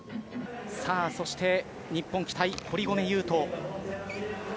さあそして、日本期待、堀米雄斗。